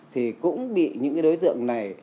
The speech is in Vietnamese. thì cũng bị những đối tượng này